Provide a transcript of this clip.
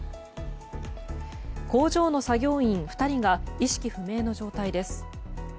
工場の作業員２人が意識不明の状態です。